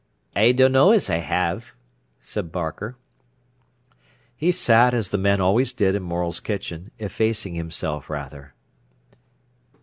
"I dunno as I have," said Barker. He sat, as the men always did in Morel's kitchen, effacing himself rather.